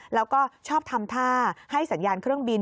แล้วก็ชอบทำท่าให้สัญญาณเครื่องบิน